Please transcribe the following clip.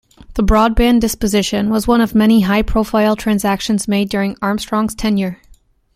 The broadband disposition was one of many high-profile transactions made during Armstrong's tenure.